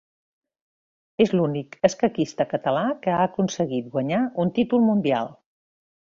És l'únic escaquista català que ha aconseguit guanyar un títol mundial.